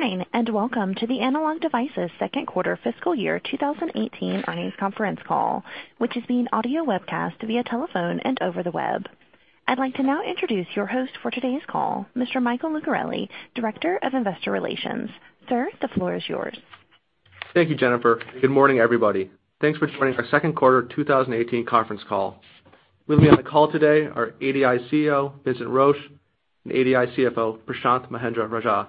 Good morning, welcome to the Analog Devices second quarter fiscal year 2018 earnings conference call, which is being audio webcast via telephone and over the web. I'd like to now introduce your host for today's call, Mr. Michael Lucarelli, Director of Investor Relations. Sir, the floor is yours. Thank you, Jennifer. Good morning, everybody. Thanks for joining our second quarter 2018 conference call. With me on the call today are ADI CEO, Vincent Roche, and ADI CFO, Prashanth Mahendra-Rajah.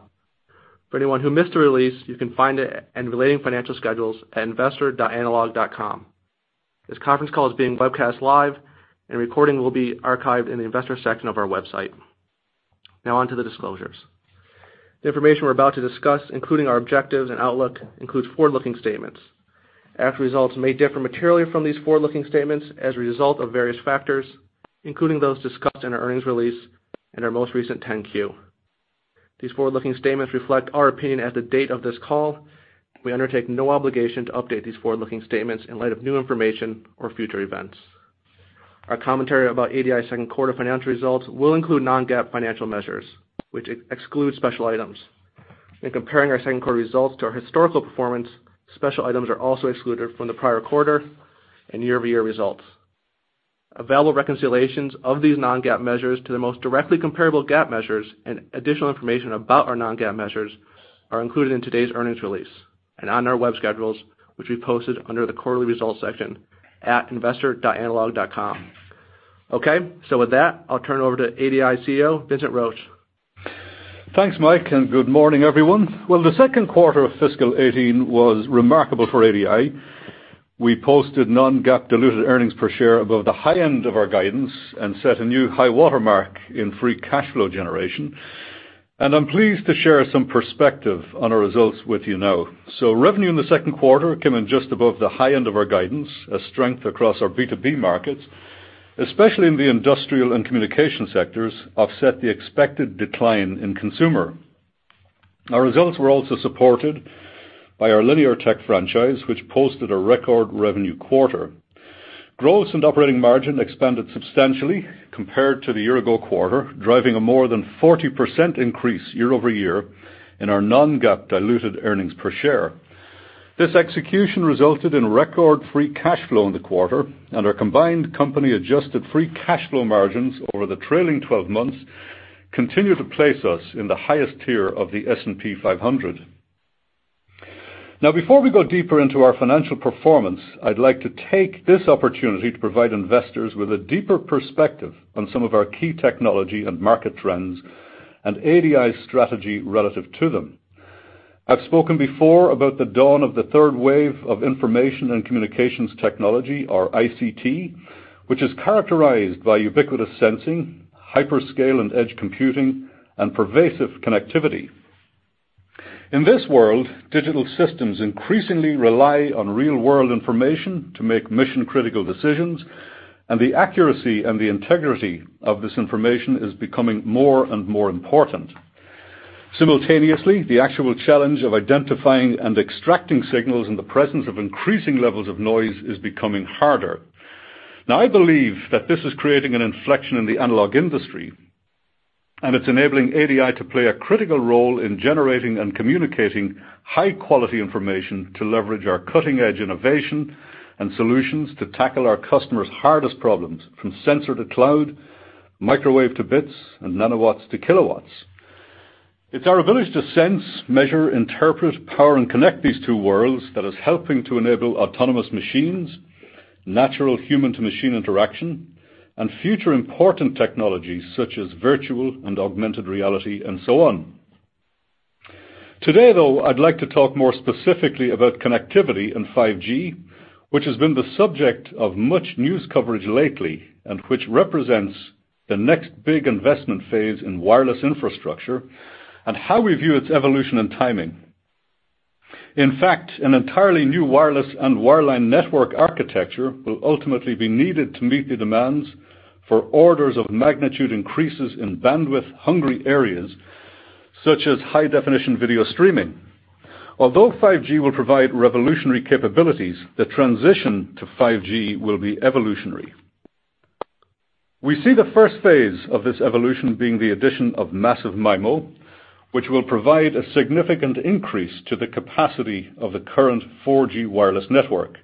For anyone who missed the release, you can find it and relating financial schedules at investor.analog.com. This conference call is being webcast live, recording will be archived in the investor section of our website. Now on to the disclosures. The information we're about to discuss, including our objectives and outlook, includes forward-looking statements. Actual results may differ materially from these forward-looking statements as a result of various factors, including those discussed in our earnings release and our most recent 10-Q. These forward-looking statements reflect our opinion at the date of this call. We undertake no obligation to update these forward-looking statements in light of new information or future events. Our commentary about ADI second quarter financial results will include non-GAAP financial measures, which exclude special items. In comparing our second quarter results to our historical performance, special items are also excluded from the prior quarter and year-over-year results. Available reconciliations of these non-GAAP measures to the most directly comparable GAAP measures and additional information about our non-GAAP measures are included in today's earnings release and on our web schedules, which we posted under the quarterly results section at investor.analog.com. Okay. With that, I'll turn it over to ADI CEO, Vincent Roche. Thanks, Mike. Good morning, everyone. Well, the second quarter of fiscal 2018 was remarkable for ADI. We posted non-GAAP diluted earnings per share above the high end of our guidance and set a new high watermark in free cash flow generation. I'm pleased to share some perspective on our results with you now. Revenue in the second quarter came in just above the high end of our guidance as strength across our B2B markets, especially in the industrial and communication sectors, offset the expected decline in consumer. Our results were also supported by our Linear Tech franchise, which posted a record revenue quarter. Gross and operating margin expanded substantially compared to the year-ago quarter, driving a more than 40% increase year-over-year in our non-GAAP diluted earnings per share. This execution resulted in record free cash flow in the quarter, and our combined company-adjusted free cash flow margins over the trailing 12 months continue to place us in the highest tier of the S&P 500. Before we go deeper into our financial performance, I'd like to take this opportunity to provide investors with a deeper perspective on some of our key technology and market trends and ADI's strategy relative to them. I've spoken before about the dawn of the third wave of information and communications technology, or ICT, which is characterized by ubiquitous sensing, hyperscale and edge computing, and pervasive connectivity. In this world, digital systems increasingly rely on real-world information to make mission-critical decisions, and the accuracy and the integrity of this information is becoming more and more important. Simultaneously, the actual challenge of identifying and extracting signals in the presence of increasing levels of noise is becoming harder. I believe that this is creating an inflection in the analog industry, and it's enabling ADI to play a critical role in generating and communicating high-quality information to leverage our cutting-edge innovation and solutions to tackle our customers' hardest problems, from sensor to cloud, microwave to bits, and nanowatts to kilowatts. It's our ability to sense, measure, interpret, power, and connect these two worlds that is helping to enable autonomous machines, natural human-to-machine interaction, and future important technologies such as virtual and augmented reality, and so on. Today, though, I'd like to talk more specifically about connectivity and 5G, which has been the subject of much news coverage lately and which represents the next big investment phase in wireless infrastructure and how we view its evolution and timing. In fact, an entirely new wireless and wireline network architecture will ultimately be needed to meet the demands for orders-of-magnitude increases in bandwidth-hungry areas such as high-definition video streaming. Although 5G will provide revolutionary capabilities, the transition to 5G will be evolutionary. We see the first phase of this evolution being the addition of massive MIMO, which will provide a significant increase to the capacity of the current 4G wireless network.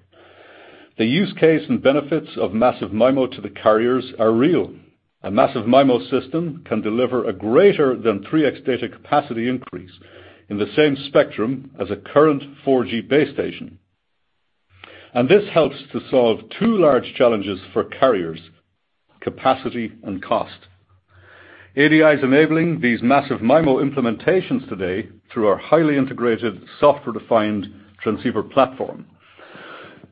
The use case and benefits of massive MIMO to the carriers are real. A massive MIMO system can deliver a greater than 3x data capacity increase in the same spectrum as a current 4G base station. This helps to solve two large challenges for carriers: capacity and cost. ADI is enabling these massive MIMO implementations today through our highly integrated software-defined transceiver platform.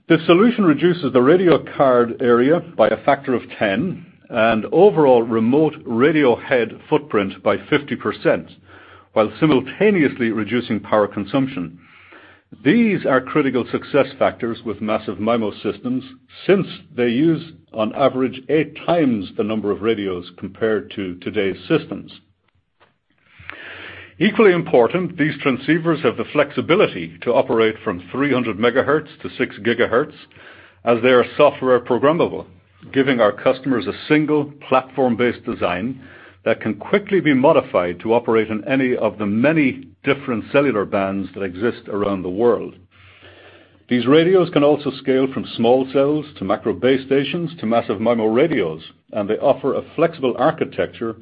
This solution reduces the radio card area by a factor of 10 and overall remote radio head footprint by 50%, while simultaneously reducing power consumption. These are critical success factors with massive MIMO systems since they use, on average, eight times the number of radios compared to today's systems. Equally important, these transceivers have the flexibility to operate from 300 megahertz to 6 gigahertz. As they are software programmable, giving our customers a single platform-based design that can quickly be modified to operate on any of the many different cellular bands that exist around the world. These radios can also scale from small cells to macro base stations to massive MIMO radios, and they offer a flexible architecture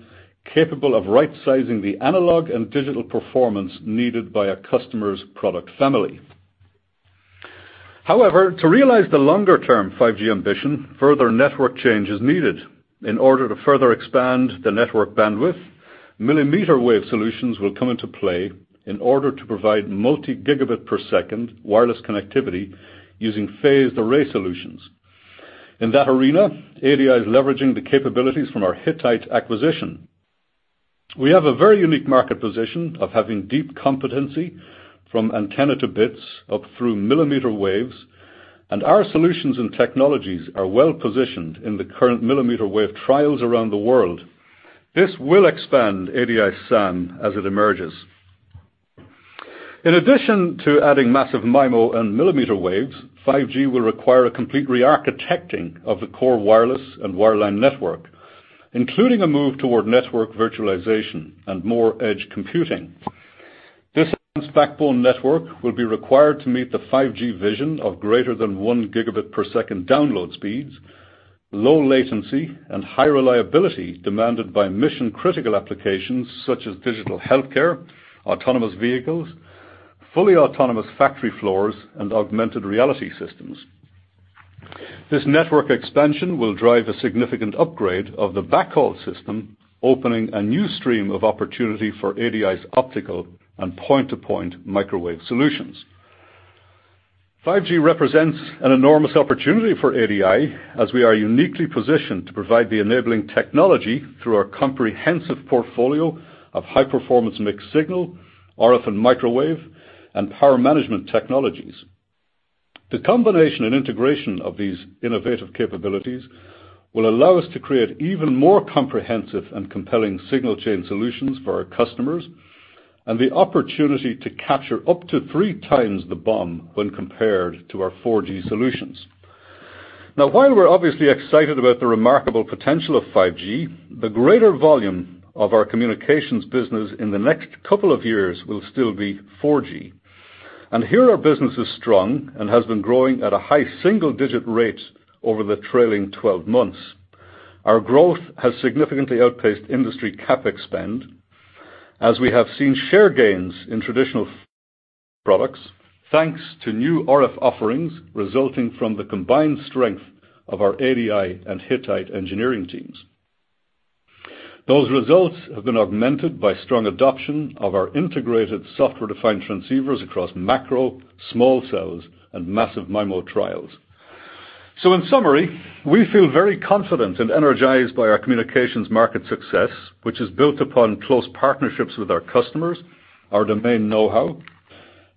capable of rightsizing the analog and digital performance needed by a customer's product family. To realize the longer-term 5G ambition, further network change is needed in order to further expand the network bandwidth. Millimeter wave solutions will come into play in order to provide multi-gigabit per second wireless connectivity using phased array solutions. In that arena, ADI is leveraging the capabilities from our Hittite acquisition. We have a very unique market position of having deep competency from antenna to bits up through millimeter waves, and our solutions and technologies are well positioned in the current millimeter wave trials around the world. This will expand ADI's SAM as it emerges. In addition to adding massive MIMO and millimeter waves, 5G will require a complete re-architecting of the core wireless and wireline network, including a move toward network virtualization and more edge computing. This backbone network will be required to meet the 5G vision of greater than one gigabit per second download speeds, low latency, and high reliability demanded by mission-critical applications such as digital healthcare, autonomous vehicles, fully autonomous factory floors, and augmented reality systems. This network expansion will drive a significant upgrade of the backhaul system, opening a new stream of opportunity for ADI's optical and point-to-point microwave solutions. 5G represents an enormous opportunity for ADI as we are uniquely positioned to provide the enabling technology through our comprehensive portfolio of high-performance mixed signal, RF, and microwave, and power management technologies. The combination and integration of these innovative capabilities will allow us to create even more comprehensive and compelling signal chain solutions for our customers, and the opportunity to capture up to three times the BOM when compared to our 4G solutions. While we're obviously excited about the remarkable potential of 5G, the greater volume of our communications business in the next couple of years will still be 4G. Here our business is strong and has been growing at a high single-digit rate over the trailing 12 months. Our growth has significantly outpaced industry CapEx spend, as we have seen share gains in traditional products, thanks to new RF offerings resulting from the combined strength of our ADI and Hittite engineering teams. Those results have been augmented by strong adoption of our integrated software-defined transceivers across macro, small cells, and massive MIMO trials. In summary, we feel very confident and energized by our communications market success, which is built upon close partnerships with our customers, our domain know-how,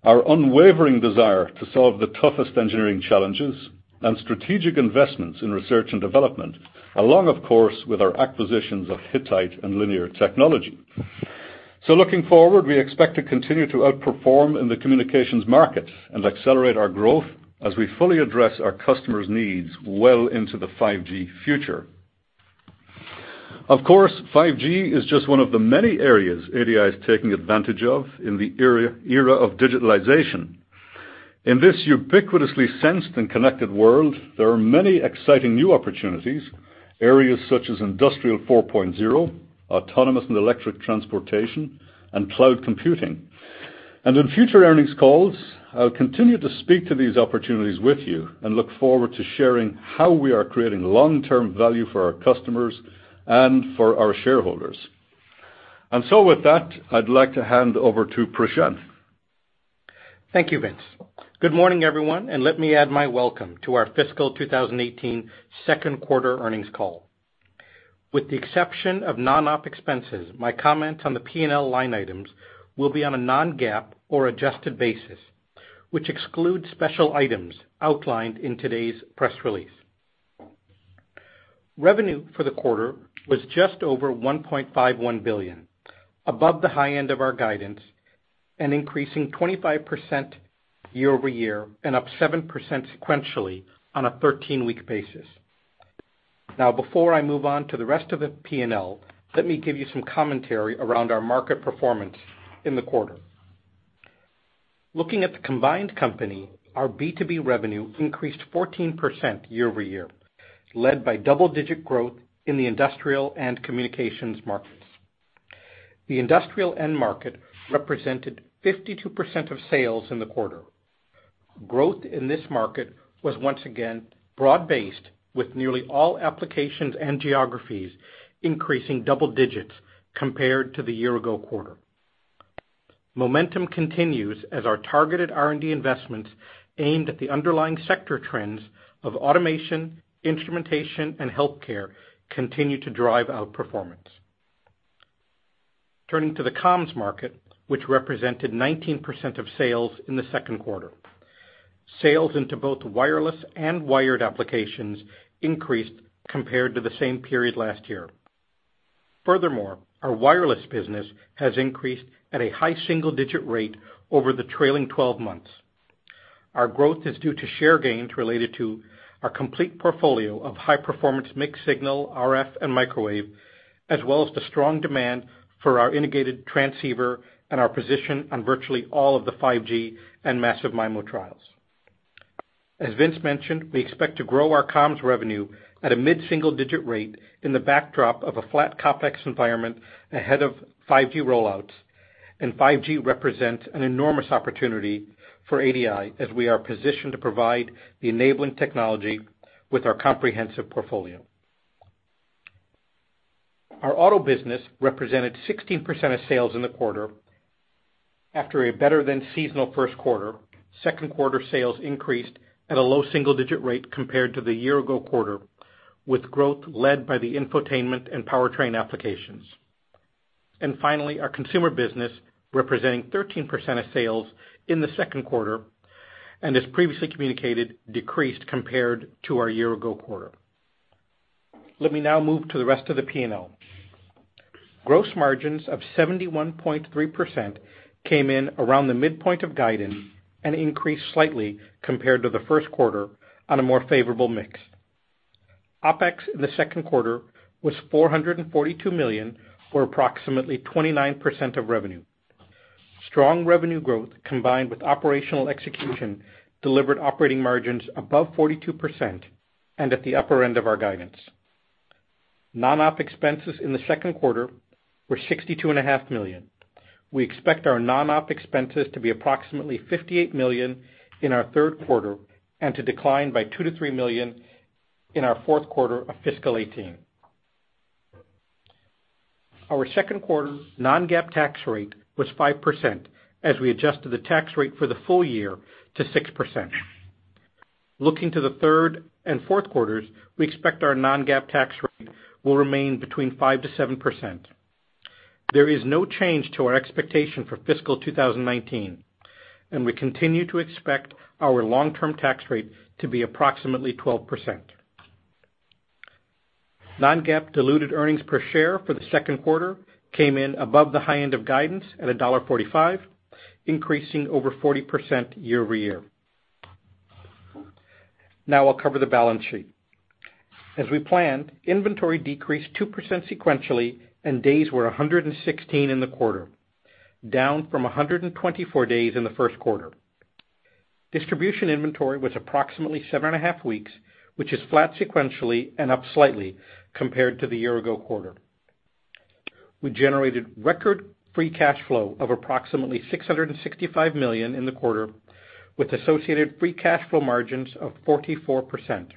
our unwavering desire to solve the toughest engineering challenges, and strategic investments in research and development, along, of course, with our acquisitions of Hittite and Linear Technology. Looking forward, we expect to continue to outperform in the communications market and accelerate our growth as we fully address our customers' needs well into the 5G future. 5G is just one of the many areas ADI is taking advantage of in the era of digitalization. In this ubiquitously sensed and connected world, there are many exciting new opportunities, areas such as Industry 4.0, autonomous and electric transportation, and cloud computing. In future earnings calls, I'll continue to speak to these opportunities with you and look forward to sharing how we are creating long-term value for our customers and for our shareholders. With that, I'd like to hand over to Prashanth. Thank you, Vince. Good morning, everyone, and let me add my welcome to our fiscal 2018 second quarter earnings call. With the exception of non-op expenses, my comments on the P&L line items will be on a non-GAAP or adjusted basis, which excludes special items outlined in today's press release. Revenue for the quarter was just over $1.51 billion, above the high end of our guidance and increasing 25% year-over-year and up 7% sequentially on a 13-week basis. Before I move on to the rest of the P&L, let me give you some commentary around our market performance in the quarter. Looking at the combined company, our B2B revenue increased 14% year-over-year, led by double-digit growth in the industrial and communications markets. The industrial end market represented 52% of sales in the quarter. Growth in this market was once again broad-based, with nearly all applications and geographies increasing double digits compared to the year-ago quarter. Momentum continues as our targeted R&D investments aimed at the underlying sector trends of automation, instrumentation, and healthcare continue to drive outperformance. Turning to the comms market, which represented 19% of sales in the second quarter. Sales into both wireless and wired applications increased compared to the same period last year. Furthermore, our wireless business has increased at a high single-digit rate over the trailing 12 months. Our growth is due to share gains related to our complete portfolio of high-performance mixed signal, RF, and microwave, as well as the strong demand for our integrated transceiver and our position on virtually all of the 5G and massive MIMO trials. As Vince mentioned, we expect to grow our comms revenue at a mid-single digit rate in the backdrop of a flat CapEx environment ahead of 5G rollouts. 5G represents an enormous opportunity for ADI as we are positioned to provide the enabling technology with our comprehensive portfolio. Our auto business represented 16% of sales in the quarter after a better-than-seasonal first quarter. Second quarter sales increased at a low single-digit rate compared to the year-ago quarter, with growth led by the infotainment and powertrain applications. Finally, our consumer business, representing 13% of sales in the second quarter, as previously communicated, decreased compared to our year-ago quarter. Let me now move to the rest of the P&L. Gross margins of 71.3% came in around the midpoint of guidance and increased slightly compared to the first quarter on a more favorable mix. OpEx in the second quarter was $442 million, or approximately 29% of revenue. Strong revenue growth combined with operational execution delivered operating margins above 42% and at the upper end of our guidance. Non-op expenses in the second quarter were $62.5 million. We expect our non-op expenses to be approximately $58 million in our third quarter and to decline by $2 million to $3 million in our fourth quarter of fiscal 2018. Our second quarter non-GAAP tax rate was 5%, as we adjusted the tax rate for the full year to 6%. Looking to the third and fourth quarters, we expect our non-GAAP tax rate will remain between 5% to 7%. There is no change to our expectation for fiscal 2019, and we continue to expect our long-term tax rate to be approximately 12%. Non-GAAP diluted earnings per share for the second quarter came in above the high end of guidance at $1.45, increasing over 40% year-over-year. I'll cover the balance sheet. As we planned, inventory decreased 2% sequentially, and days were 116 in the quarter, down from 124 days in the first quarter. Distribution inventory was approximately seven and a half weeks, which is flat sequentially and up slightly compared to the year ago quarter. We generated record free cash flow of approximately $665 million in the quarter, with associated free cash flow margins of 44%.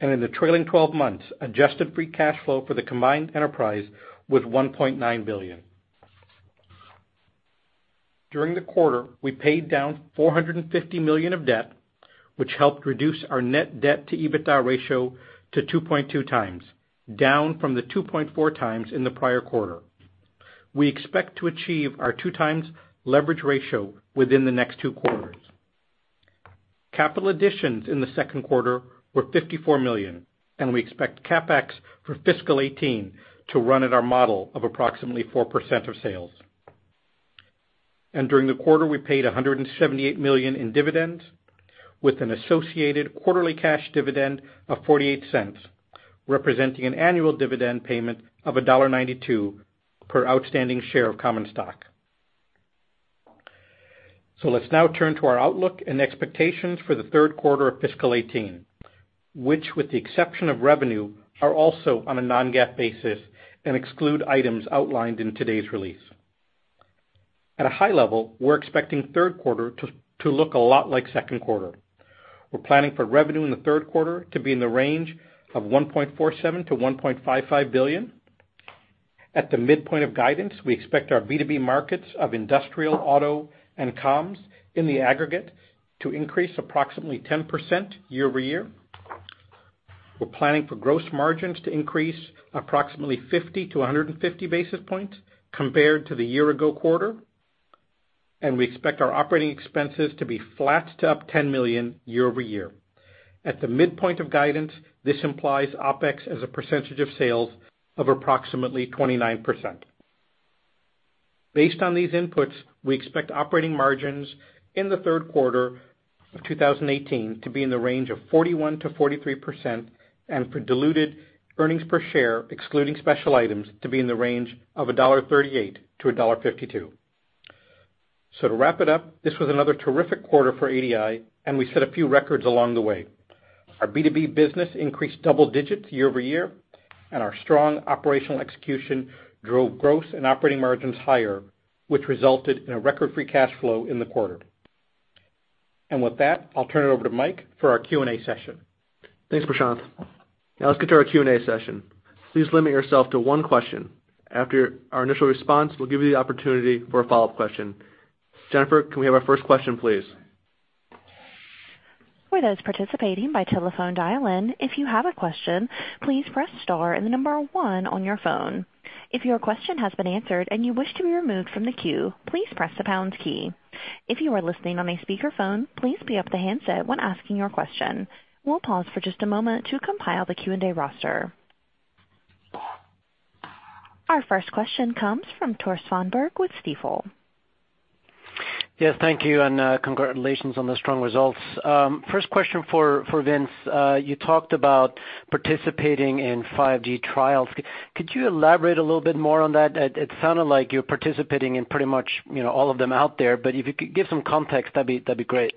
In the trailing 12 months, adjusted free cash flow for the combined enterprise was $1.9 billion. During the quarter, we paid down $450 million of debt, which helped reduce our net debt to EBITDA ratio to 2.2 times, down from the 2.4 times in the prior quarter. We expect to achieve our two times leverage ratio within the next two quarters. Capital additions in the second quarter were $54 million, and we expect CapEx for fiscal 2018 to run at our model of approximately 4% of sales. During the quarter, we paid $178 million in dividends with an associated quarterly cash dividend of $0.48, representing an annual dividend payment of $1.92 per outstanding share of common stock. Let's now turn to our outlook and expectations for the third quarter of fiscal 2018, which, with the exception of revenue, are also on a non-GAAP basis and exclude items outlined in today's release. At a high level, we're expecting third quarter to look a lot like second quarter. We're planning for revenue in the third quarter to be in the range of $1.47 billion to $1.55 billion. At the midpoint of guidance, we expect our B2B markets of industrial, auto, and comms in the aggregate to increase approximately 10% year-over-year. We're planning for gross margins to increase approximately 50 to 150 basis points compared to the year ago quarter, and we expect our operating expenses to be flat to up $10 million year-over-year. At the midpoint of guidance, this implies OpEx as a percentage of sales of approximately 29%. Based on these inputs, we expect operating margins in the third quarter of 2018 to be in the range of 41% to 43% and for diluted earnings per share, excluding special items, to be in the range of $1.38 to $1.52. To wrap it up, this was another terrific quarter for ADI, and we set a few records along the way. Our B2B business increased double digits year-over-year, and our strong operational execution drove gross and operating margins higher, which resulted in a record free cash flow in the quarter. With that, I'll turn it over to Mike for our Q&A session. Thanks, Prashanth. Now let's get to our Q&A session. Please limit yourself to one question. After our initial response, we'll give you the opportunity for a follow-up question. Jennifer, can we have our first question, please? For those participating by telephone dial-in, if you have a question, please press star and the number one on your phone. If your question has been answered and you wish to be removed from the queue, please press the pounds key. If you are listening on a speakerphone, please be up the handset when asking your question. We'll pause for just a moment to compile the Q&A roster. Our first question comes from Tore Svanberg with Stifel. Yes, thank you, and congratulations on the strong results. First question for Vince. You talked about participating in 5G trials. Could you elaborate a little bit more on that? It sounded like you're participating in pretty much all of them out there, but if you could give some context, that'd be great.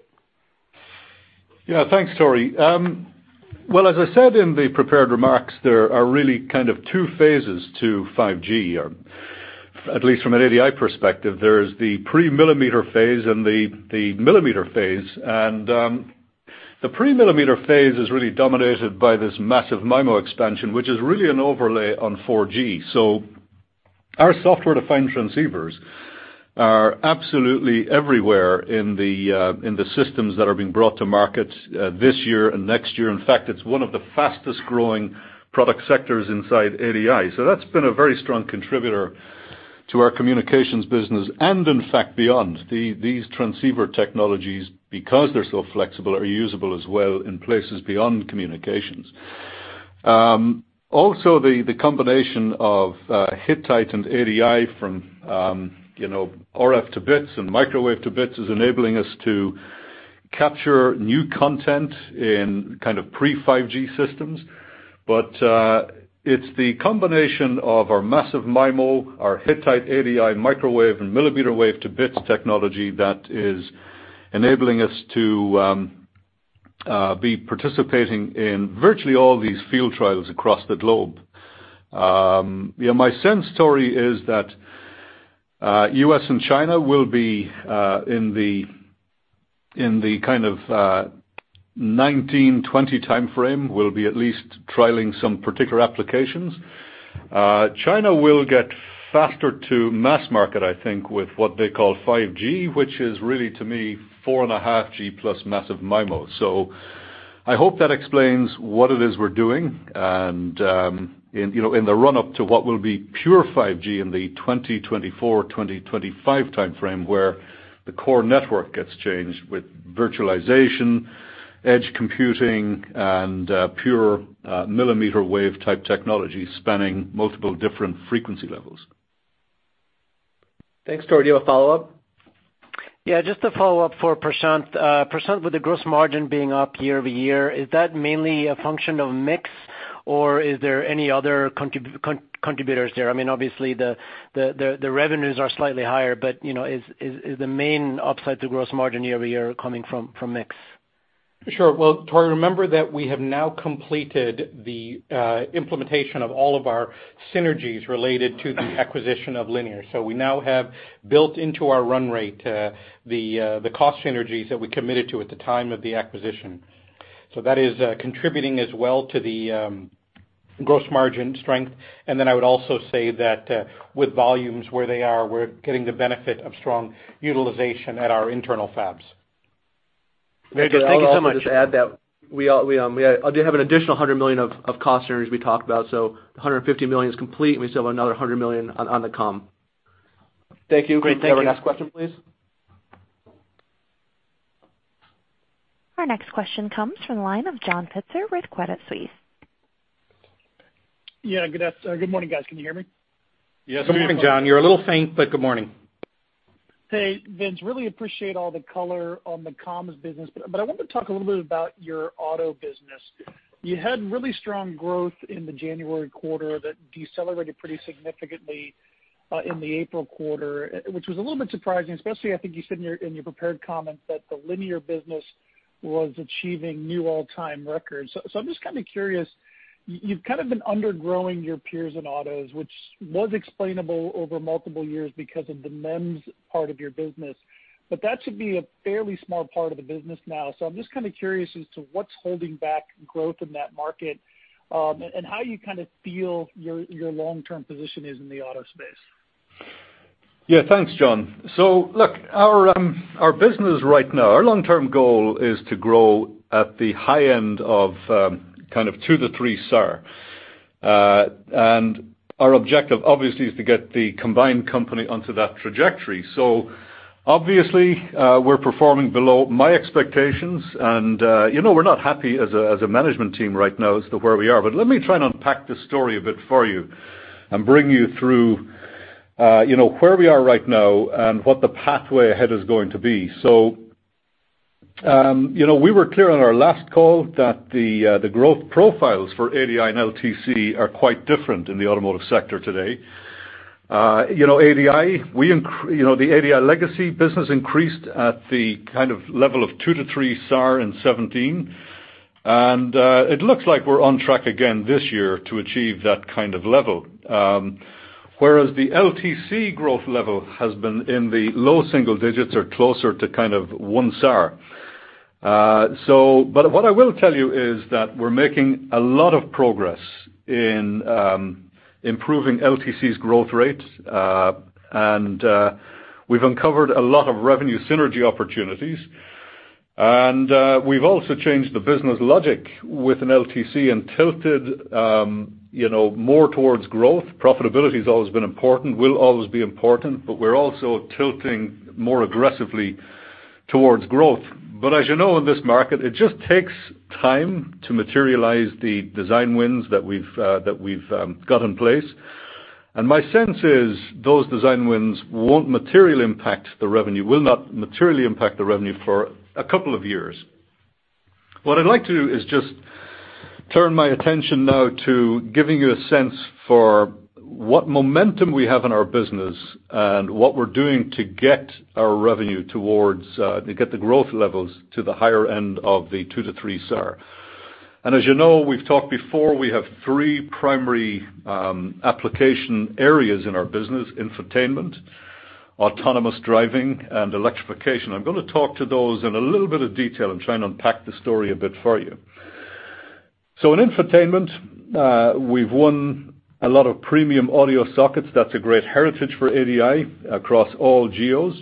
Thanks, Tor. As I said in the prepared remarks, there are really kind of 2 phases to 5G, or at least from an ADI perspective. There's the pre-millimeter wave phase and the millimeter wave phase. The pre-millimeter wave phase is really dominated by this massive MIMO expansion, which is really an overlay on 4G. Our software-defined transceivers are absolutely everywhere in the systems that are being brought to market this year and next year. In fact, it's one of the fastest-growing product sectors inside ADI. That's been a very strong contributor to our communications business and, in fact, beyond. These transceiver technologies, because they're so flexible, are usable as well in places beyond communications. Also, the combination of Hittite and ADI from RF to bits and microwave to bits is enabling us to capture new content in pre-5G systems. It's the combination of our massive MIMO, our Hittite ADI microwave, and millimeter wave to bits technology that is enabling us to be participating in virtually all these field trials across the globe. My sense, Tor, is that U.S. and China will be in the 2019, 2020 timeframe, will be at least trialing some particular applications. China will get faster to mass market, I think, with what they call 5G, which is really to me 4.5G plus massive MIMO. I hope that explains what it is we're doing. In the run-up to what will be pure 5G in the 2024, 2025 timeframe, where the core network gets changed with virtualization, edge computing, and pure millimeter wave type technology spanning multiple different frequency levels. Thanks, Tor. Do you have a follow-up? Just a follow-up for Prashanth. Prashanth, with the gross margin being up year-over-year, is that mainly a function of mix, or is there any other contributors there? Obviously, the revenues are slightly higher, is the main upside to gross margin year-over-year coming from mix? Sure. Well, Tore, remember that we have now completed the implementation of all of our synergies related to the acquisition of Linear. We now have built into our run rate the cost synergies that we committed to at the time of the acquisition. That is contributing as well to the gross margin strength. I would also say that with volumes where they are, we're getting the benefit of strong utilization at our internal fabs. I would also just add that we have an additional $100 million of cost synergies we talked about. $150 million is complete, and we still have another $100 million on the comm. Thank you. Great. Thank you. Can we have our next question, please? Our next question comes from the line of John Pitzer with Credit Suisse. Yeah. Good morning, guys. Can you hear me? Yes. Good morning. Good morning, John. You're a little faint, but good morning. Hey, Vince, really appreciate all the color on the comms business, but I wanted to talk a little bit about your auto business. You had really strong growth in the January quarter that decelerated pretty significantly in the April quarter, which was a little bit surprising, especially I think you said in your prepared comments that the Linear business was achieving new all-time records. I'm just kind of curious, you've kind of been undergrowing your peers in autos, which was explainable over multiple years because of the MEMS part of your business. That should be a fairly small part of the business now. I'm just kind of curious as to what's holding back growth in that market, and how you kind of feel your long-term position is in the auto space. Yeah. Thanks, John. Look, our business right now, our long-term goal is to grow at the high end of kind of 2 to 3 SAR. Our objective, obviously, is to get the combined company onto that trajectory. Obviously, we're performing below my expectations, and we're not happy as a management team right now as to where we are. Let me try and unpack the story a bit for you and bring you through where we are right now and what the pathway ahead is going to be. We were clear on our last call that the growth profiles for ADI and LTC are quite different in the automotive sector today. The ADI legacy business increased at the kind of level of 2 to 3 SAR in 2017. It looks like we're on track again this year to achieve that kind of level. Whereas the LTC growth level has been in the low single digits or closer to kind of one SAR. What I will tell you is that we're making a lot of progress in improving LTC's growth rate, and we've uncovered a lot of revenue synergy opportunities. We've also changed the business logic within LTC and tilted more towards growth. Profitability has always been important, will always be important, but we're also tilting more aggressively towards growth. As you know, in this market, it just takes time to materialize the design wins that we've got in place. My sense is those design wins will not materially impact the revenue for a couple of years. What I'd like to do is just turn my attention now to giving you a sense for what momentum we have in our business and what we're doing to get our revenue towards, to get the growth levels to the higher end of the 2-3 SAR. As you know, we've talked before, we have three primary application areas in our business, infotainment, autonomous driving, and electrification. I'm going to talk to those in a little bit of detail and try and unpack the story a bit for you. In infotainment, we've won a lot of premium audio sockets, that's a great heritage for ADI across all geos.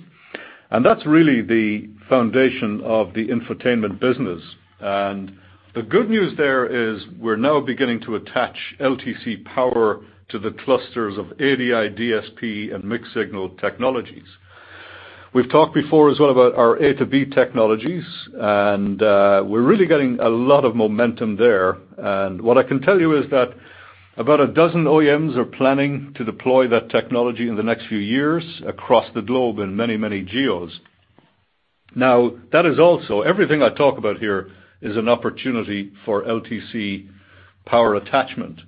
That's really the foundation of the infotainment business. The good news there is we're now beginning to attach LTC power to the clusters of ADI DSP and mixed signal technologies. We've talked before as well about our A2B technologies, and we're really getting a lot of momentum there. What I can tell you is that about a dozen OEMs are planning to deploy that technology in the next few years across the globe in many, many geos. That is also, everything I talk about here is an opportunity for LTC power attachment.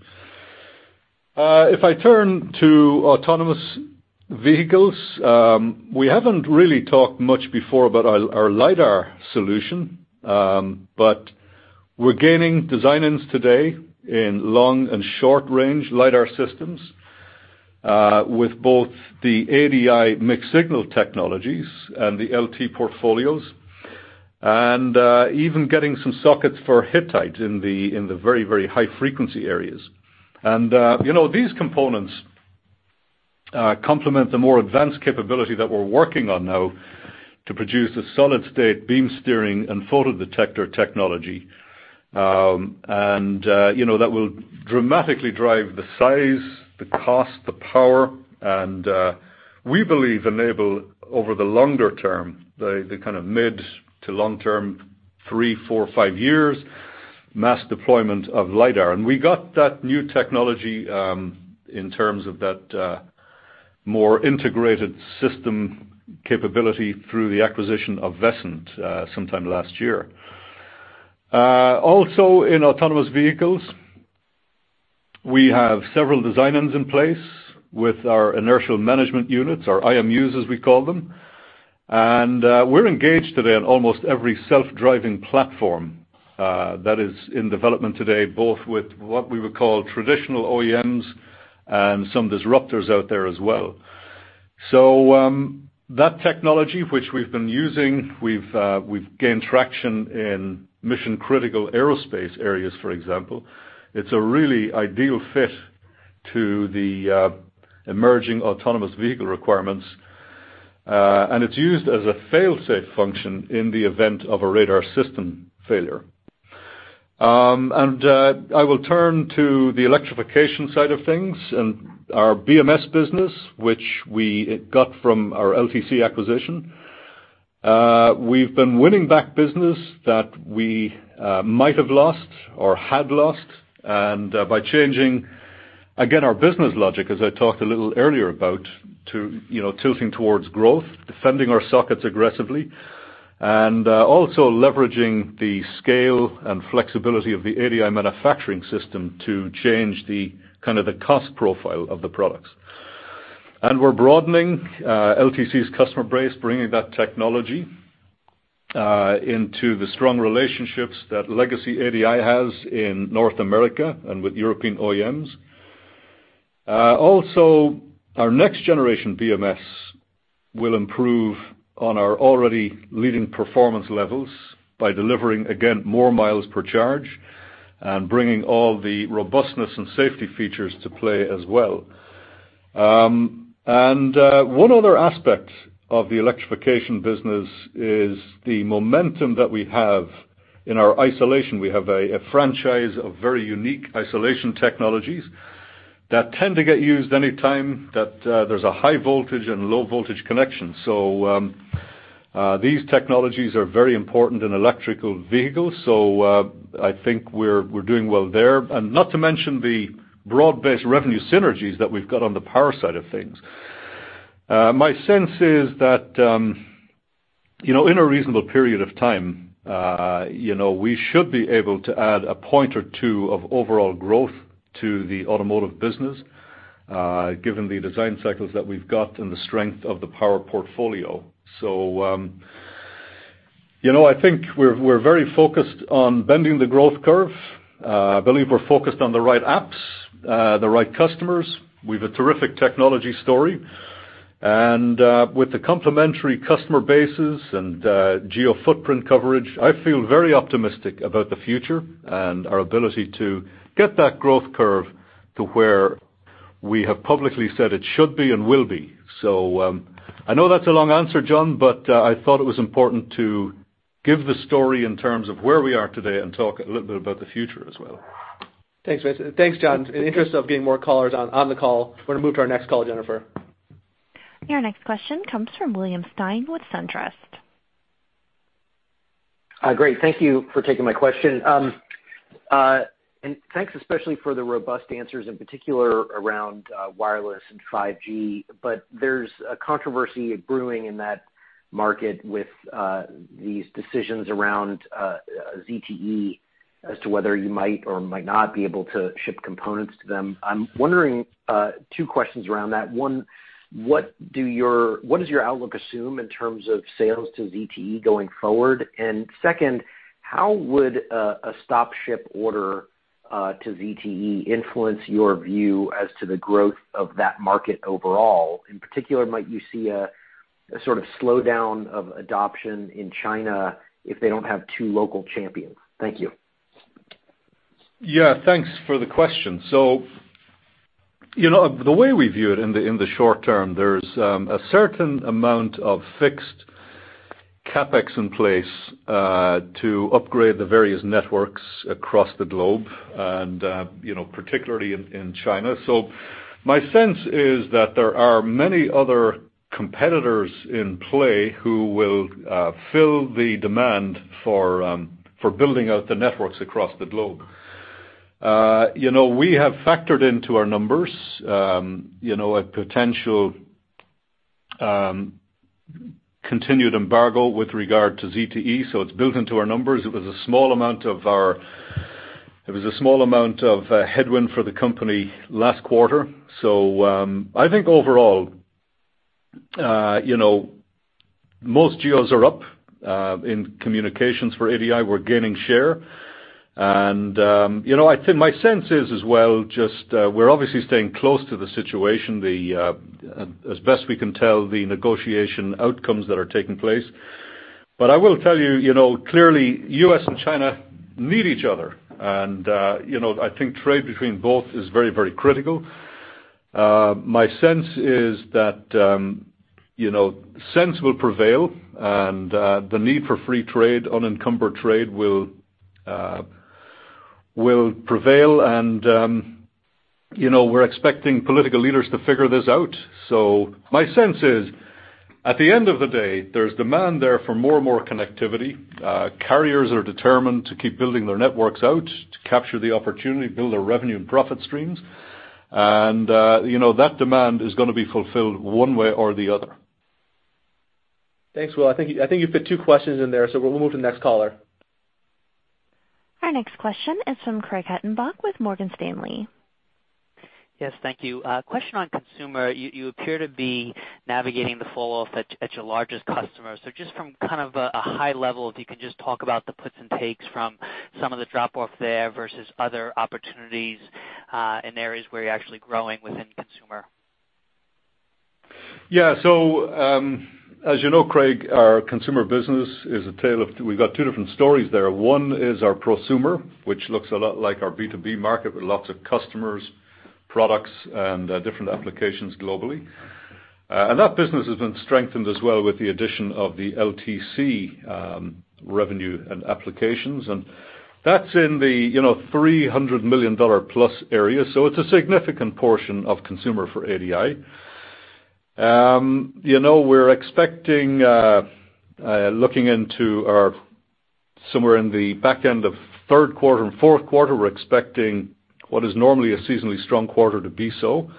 If I turn to autonomous vehicles, we haven't really talked much before about our LiDAR solution, but we're gaining design-ins today in long and short-range LiDAR systems, with both the ADI mixed signal technologies and the LT portfolios, and even getting some sockets for Hittite in the very, very high frequency areas. These components complement the more advanced capability that we're working on now to produce the solid state beam steering and photodetector technology. That will dramatically drive the size, the cost, the power, and we believe enable over the longer term, the kind of mid to long term, three, four, five years, mass deployment of LiDAR. We got that new technology, in terms of that more integrated system capability through the acquisition of Vescent, sometime last year. Also in autonomous vehicles, we have several design-ins in place with our Inertial Measurement Units, our IMUs, as we call them. We're engaged today in almost every self-driving platform that is in development today, both with what we would call traditional OEMs and some disruptors out there as well. That technology which we've been using, we've gained traction in mission-critical aerospace areas, for example. It's a really ideal fit to the emerging autonomous vehicle requirements. It's used as a fail-safe function in the event of a radar system failure. I will turn to the electrification side of things and our BMS business, which we got from our LTC acquisition. We've been winning back business that we might have lost or had lost, by changing, again, our business logic, as I talked a little earlier about to tilting towards growth, defending our sockets aggressively, and also leveraging the scale and flexibility of the ADI manufacturing system to change the cost profile of the products. We're broadening LTC's customer base, bringing that technology into the strong relationships that legacy ADI has in North America and with European OEMs. Also, our next generation BMS will improve on our already leading performance levels by delivering, again, more miles per charge and bringing all the robustness and safety features to play as well. One other aspect of the electrification business is the momentum that we have in our isolation. We have a franchise of very unique isolation technologies that tend to get used any time that there's a high voltage and low voltage connection. These technologies are very important in electrical vehicles, I think we're doing well there. Not to mention the broad-based revenue synergies that we've got on the power side of things. My sense is that in a reasonable period of time, we should be able to add one or two of overall growth to the automotive business, given the design cycles that we've got and the strength of the power portfolio. I think we're very focused on bending the growth curve. I believe we're focused on the right apps, the right customers. We've a terrific technology story. With the complementary customer bases and geo footprint coverage, I feel very optimistic about the future and our ability to get that growth curve to where we have publicly said it should be and will be. I know that's a long answer, John, but I thought it was important to give the story in terms of where we are today and talk a little bit about the future as well. Thanks, John. In the interest of getting more callers on the call, we're going to move to our next caller, Jennifer. Your next question comes from William Stein with SunTrust. Great. Thank you for taking my question. Thanks especially for the robust answers, in particular around wireless and 5G. There's a controversy brewing in that market with these decisions around ZTE as to whether you might or might not be able to ship components to them. I'm wondering two questions around that. One, what does your outlook assume in terms of sales to ZTE going forward? Second, how would a stop ship order to ZTE influence your view as to the growth of that market overall? In particular, might you see a sort of slowdown of adoption in China if they don't have two local champions? Thank you. Yeah. Thanks for the question. The way we view it in the short term, there's a certain amount of fixed CapEx in place to upgrade the various networks across the globe, and particularly in China. My sense is that there are many other competitors in play who will fill the demand for building out the networks across the globe. We have factored into our numbers, a potential continued embargo with regard to ZTE, it's built into our numbers. It was a small amount of headwind for the company last quarter. I think overall, most geos are up, in communications for ADI, we're gaining share. I think my sense is as well, just we're obviously staying close to the situation, as best we can tell, the negotiation outcomes that are taking place. I will tell you, clearly, U.S. and China need each other. I think trade between both is very critical. My sense is that sense will prevail, the need for free trade, unencumbered trade will prevail and we're expecting political leaders to figure this out. My sense is at the end of the day, there's demand there for more and more connectivity. Carriers are determined to keep building their networks out to capture the opportunity to build their revenue and profit streams. That demand is going to be fulfilled one way or the other. Thanks, Will. I think you fit two questions in there, we'll move to the next caller. Our next question is from Craig Hettenbach with Morgan Stanley. Yes, thank you. A question on consumer. You appear to be navigating the fall-off at your largest customer. Just from kind of a high level, if you can just talk about the puts and takes from some of the drop-off there versus other opportunities, in areas where you're actually growing within consumer. Yeah. As you know, Craig, our consumer business is a tale of, we've got two different stories there. One is our prosumer, which looks a lot like our B2B market with lots of customers, products, and different applications globally. That business has been strengthened as well with the addition of the LTC revenue and applications. That's in the $300 million-plus area. It's a significant portion of consumer for ADI. We're expecting, looking into our somewhere in the back end of third quarter and fourth quarter, we're expecting what is normally a seasonally strong quarter to be so.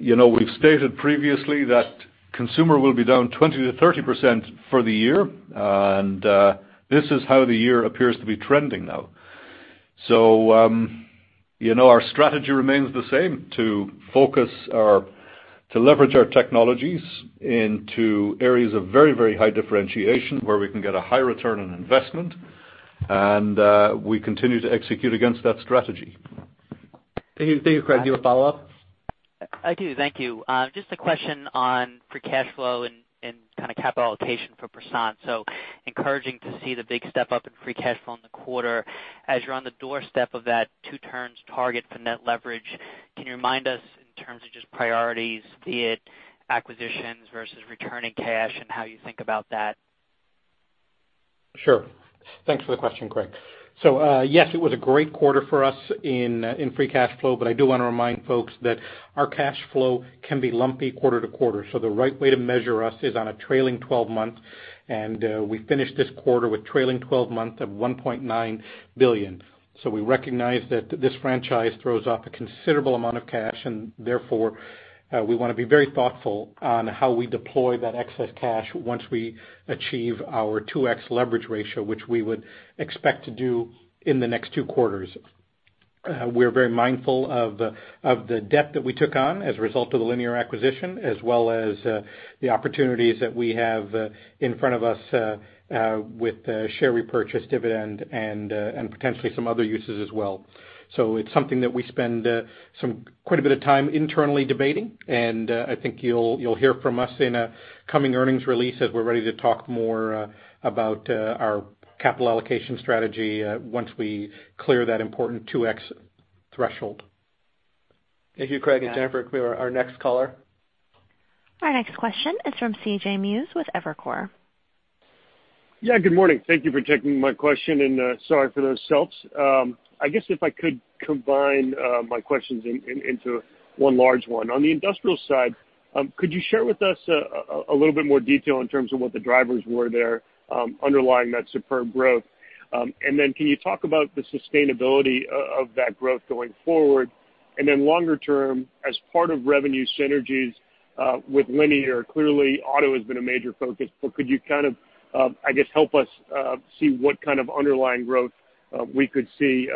We've stated previously that consumer will be down 20%-30% for the year. This is how the year appears to be trending now. Our strategy remains the same to leverage our technologies into areas of very high differentiation where we can get a high return on investment. We continue to execute against that strategy. Thank you. Craig, do you have a follow-up? I do. Thank you. Just a question on free cash flow and kind of capital allocation for Prashanth. Encouraging to see the big step up in free cash flow in the quarter. As you're on the doorstep of that two turns target for net leverage, can you remind us in terms of just priorities, be it acquisitions versus returning cash and how you think about that? Sure. Thanks for the question, Craig. Yes, it was a great quarter for us in free cash flow, but I do want to remind folks that our cash flow can be lumpy quarter-to-quarter. The right way to measure us is on a trailing 12 months, and we finished this quarter with trailing 12 months of $1.9 billion. We recognize that this franchise throws off a considerable amount of cash, and therefore, we want to be very thoughtful on how we deploy that excess cash once we achieve our 2x leverage ratio, which we would expect to do in the next two quarters. We're very mindful of the debt that we took on as a result of the Linear acquisition, as well as the opportunities that we have in front of us with share repurchase, dividend, and potentially some other uses as well. It's something that we spend quite a bit of time internally debating, and I think you'll hear from us in a coming earnings release as we're ready to talk more about our capital allocation strategy once we clear that important 2x threshold. Thank you, Craig and Jennifer. Could we go our next caller? Our next question is from C.J. Muse with Evercore. Yeah, good morning. Sorry for those celps. I guess if I could combine my questions into one large one. On the industrial side, could you share with us a little bit more detail in terms of what the drivers were there underlying that superb growth? Can you talk about the sustainability of that growth going forward? Longer term, as part of revenue synergies with Linear, clearly auto has been a major focus, but could you kind of, I guess, help us see what kind of underlying growth we could see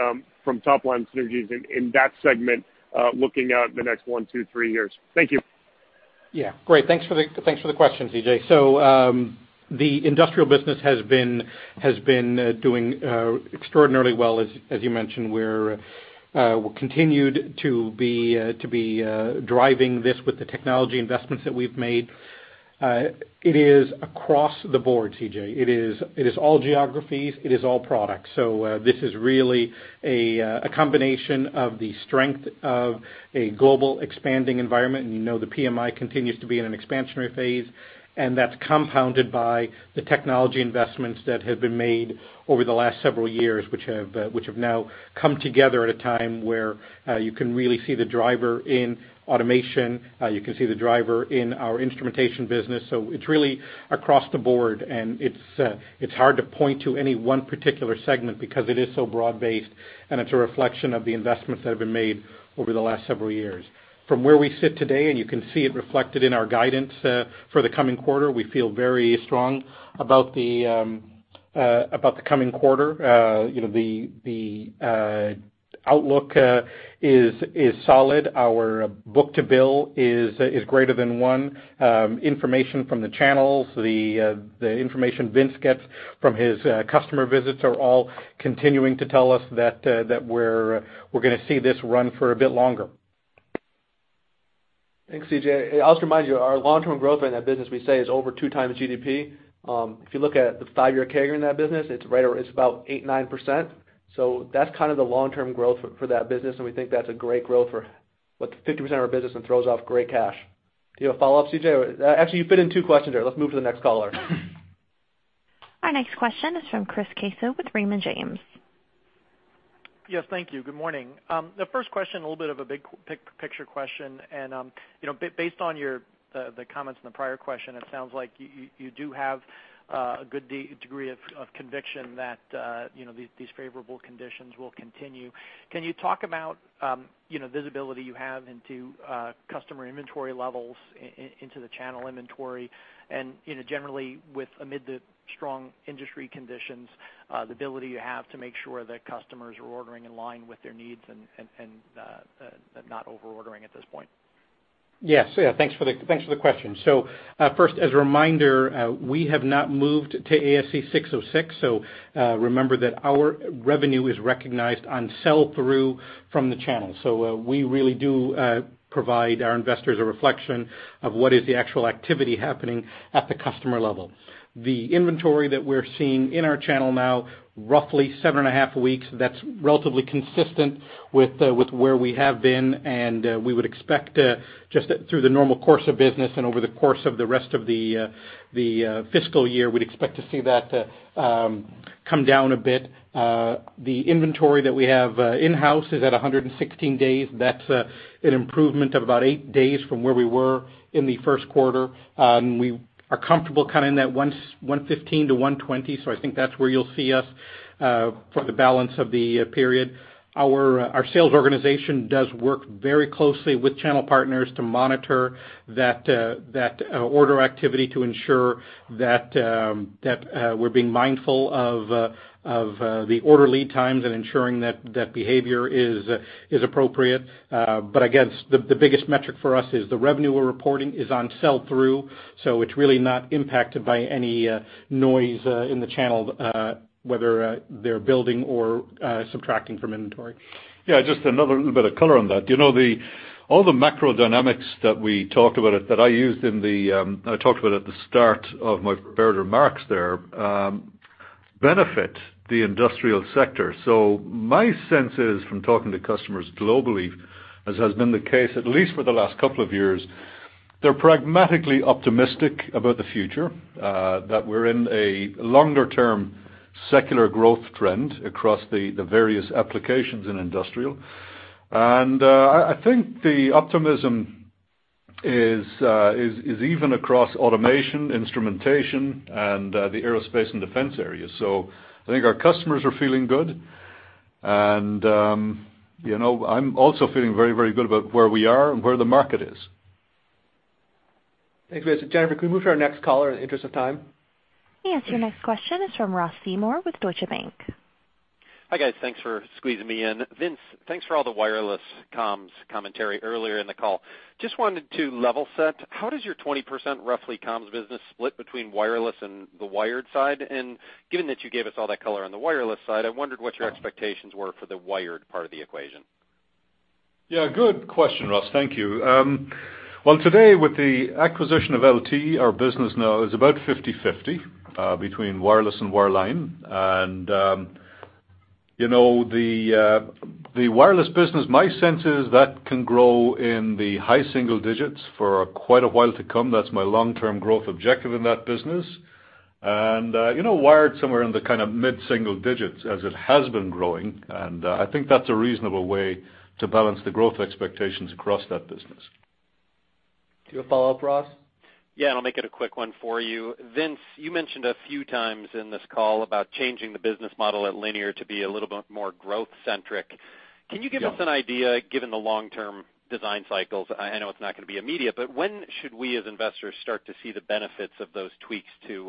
from top-line synergies in that segment looking out in the next one to three years? Thank you. Yeah. Great. Thanks for the question, C.J. The industrial business has been doing extraordinarily well, as you mentioned. We're continued to be driving this with the technology investments that we've made. It is across the board, C.J. It is all geographies, it is all products. This is really a combination of the strength of a global expanding environment, and you know the PMI continues to be in an expansionary phase, and that's compounded by the technology investments that have been made over the last several years, which have now come together at a time where you can really see the driver in automation, you can see the driver in our instrumentation business. It's really across the board, it's hard to point to any one particular segment because it is so broad-based, it's a reflection of the investments that have been made over the last several years. From where we sit today, you can see it reflected in our guidance for the coming quarter, we feel very strong about the coming quarter. The outlook is solid. Our book-to-bill is greater than one. Information from the channels, the information Vince gets from his customer visits are all continuing to tell us that we're going to see this run for a bit longer. Thanks, CJ. I'll just remind you, our long-term growth in that business, we say, is over two times GDP. If you look at the five-year CAGR in that business, it's about 8%, 9%. That's kind of the long-term growth for that business, we think that's a great growth for 50% of our business and throws off great cash. Do you have a follow-up, CJ? Actually, you fit in two questions there. Let's move to the next caller. Our next question is from Chris Caso with Raymond James. Yes, thank you. Good morning. The first question, a little bit of a big-picture question, based on the comments in the prior question, it sounds like you do have a good degree of conviction that these favorable conditions will continue. Can you talk about visibility you have into customer inventory levels, into the channel inventory, generally amid the strong industry conditions, the ability you have to make sure that customers are ordering in line with their needs and not over-ordering at this point? Yes. Thanks for the question. First, as a reminder, we have not moved to ASC 606, remember that our revenue is recognized on sell-through from the channel. We really do provide our investors a reflection of what is the actual activity happening at the customer level. The inventory that we're seeing in our channel now, roughly seven and a half weeks, that's relatively consistent with where we have been, and we would expect just through the normal course of business and over the course of the rest of the fiscal year, we'd expect to see that come down a bit. The inventory that we have in-house is at 116 days. That's an improvement of about eight days from where we were in the first quarter. We are comfortable kind of in that 115-120, I think that's where you'll see us for the balance of the period. Our sales organization does work very closely with channel partners to monitor that order activity to ensure that we're being mindful of the order lead times and ensuring that behavior is appropriate. Again, the biggest metric for us is the revenue we're reporting is on sell-through, so it's really not impacted by any noise in the channel, whether they're building or subtracting from inventory. Just another little bit of color on that. All the macro dynamics that I talked about at the start of my prepared remarks there benefit the industrial sector. My sense is from talking to customers globally, as has been the case, at least for the last couple of years, they're pragmatically optimistic about the future, that we're in a longer-term secular growth trend across the various applications in industrial. I think the optimism is even across automation, instrumentation, and the aerospace and defense areas. I think our customers are feeling good, and I'm also feeling very good about where we are and where the market is. Thanks. Jennifer, can we move to our next caller in the interest of time? Yes. Your next question is from Ross Seymore with Deutsche Bank. Hi, guys. Thanks for squeezing me in. Vince, thanks for all the wireless comms commentary earlier in the call. Just wanted to level set, how does your 20%, roughly, comms business split between wireless and the wired side? Given that you gave us all that color on the wireless side, I wondered what your expectations were for the wired part of the equation. Yeah, good question, Ross. Thank you. Well, today, with the acquisition of LT, our business now is about 50/50 between wireless and wireline. The wireless business, my sense is that can grow in the high single digits for quite a while to come. That's my long-term growth objective in that business. Wired, somewhere in the kind of mid-single digits as it has been growing, and I think that's a reasonable way to balance the growth expectations across that business. Do you have a follow-up, Ross? Yeah, I'll make it a quick one for you. Vince, you mentioned a few times in this call about changing the business model at Linear to be a little bit more growth-centric. Yeah. Can you give us an idea, given the long-term design cycles, I know it's not going to be immediate, but when should we, as investors, start to see the benefits of those tweaks to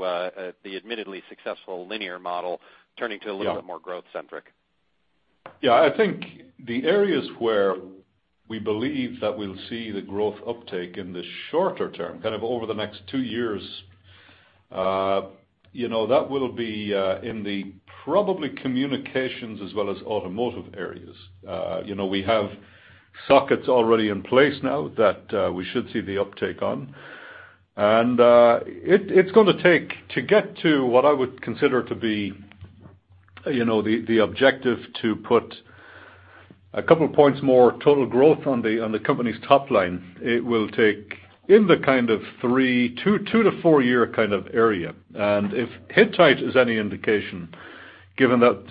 the admittedly successful Linear model turning to- Yeah a little bit more growth-centric? Yeah. I think the areas where we believe that we'll see the growth uptake in the shorter term, kind of over the next two years, that will be in the probably communications as well as automotive areas. We have sockets already in place now that we should see the uptake on. It's going to take, to get to what I would consider to be the objective to put a couple of points more total growth on the company's top line, it will take in the kind of 2-4 year kind of area. If Hittite is any indication, given that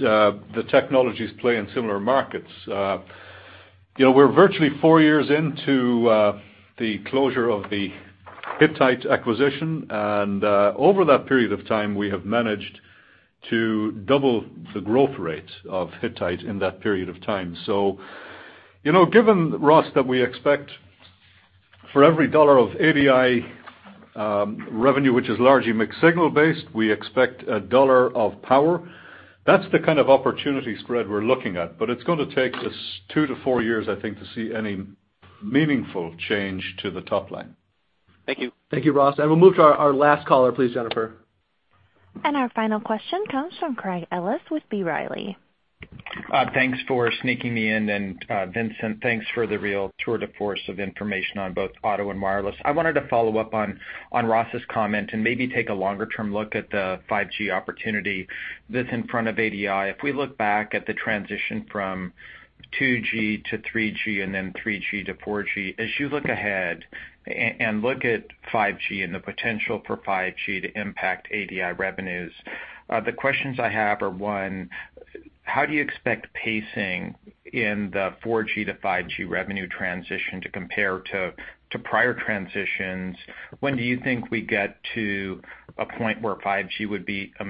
the technologies play in similar markets, we're virtually four years into the closure of the Hittite acquisition, and over that period of time, we have managed to double the growth rate of Hittite in that period of time. Given, Ross, that we expect for every $1 of ADI revenue, which is largely mixed signal-based, we expect $1 of power. That's the kind of opportunity spread we're looking at, but it's going to take us two to four years, I think, to see any meaningful change to the top line. Thank you. Thank you, Ross. We'll move to our last caller, please, Jennifer. Our final question comes from Craig Ellis with B. Riley. Thanks for sneaking me in, Vincent, thanks for the real tour de force of information on both auto and wireless. I wanted to follow up on Ross's comment and maybe take a longer-term look at the 5G opportunity that's in front of ADI. If we look back at the transition from 2G to 3G and then 3G to 4G, as you look ahead and look at 5G and the potential for 5G to impact ADI revenues, the questions I have are, one, how do you expect pacing in the 4G to 5G revenue transition to compare to prior transitions? When do you think we get to a point where 5G would be a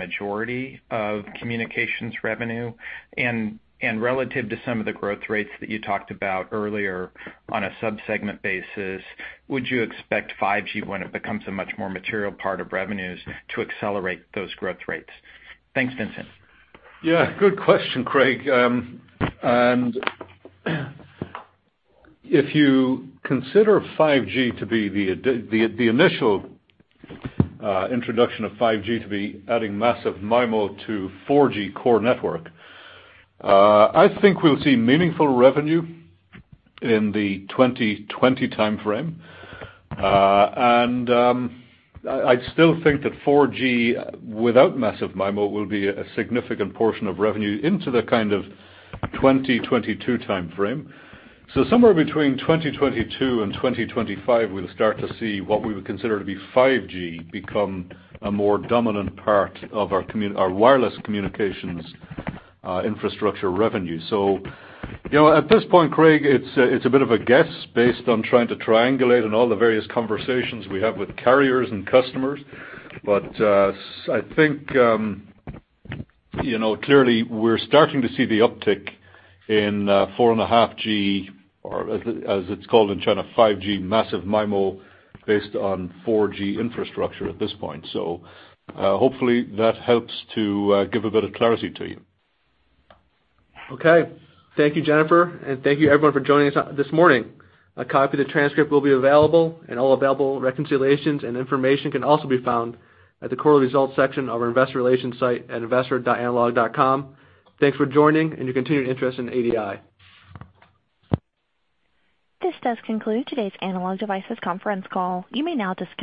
majority of communications revenue? Relative to some of the growth rates that you talked about earlier on a sub-segment basis, would you expect 5G, when it becomes a much more material part of revenues, to accelerate those growth rates? Thanks, Vincent. Yeah. Good question, Craig. If you consider 5G to be the initial introduction of 5G to be adding massive MIMO to 4G core network, I think we'll see meaningful revenue in the 2020 timeframe. I still think that 4G without massive MIMO will be a significant portion of revenue into the kind of 2022 timeframe. Somewhere between 2022 and 2025, we'll start to see what we would consider to be 5G become a more dominant part of our wireless communications infrastructure revenue. At this point, Craig, it's a bit of a guess based on trying to triangulate on all the various conversations we have with carriers and customers. I think clearly we're starting to see the uptick in 4.5G or, as it's called in China, 5G massive MIMO based on 4G infrastructure at this point. Hopefully, that helps to give a bit of clarity to you. Okay. Thank you, Jennifer, and thank you everyone for joining us this morning. A copy of the transcript will be available, and all available reconciliations and information can also be found at the Quarterly Results section of our investor relations site at investor.analog.com. Thanks for joining and your continued interest in ADI. This does conclude today's Analog Devices conference call. You may now disconnect.